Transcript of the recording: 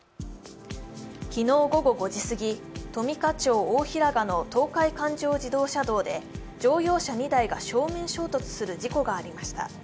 昨日午後５時過ぎ、富加町大平賀の東海環状自動車道で乗用車２台が正面衝突する事故がありました。